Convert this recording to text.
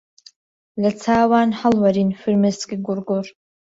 لە چاوان هەڵوەرین فرمێسکی گوڕگوڕ